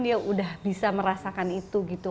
dia udah bisa merasakan itu gitu